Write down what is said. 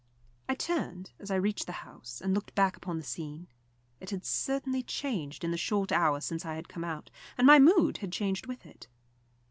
I turned, as I reached the house, and looked back upon the scene. It had certainly changed in the short hour since I had come out, and my mood had changed with it.